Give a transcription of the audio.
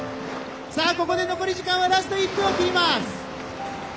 さあここで残り時間はラスト１分を切ります。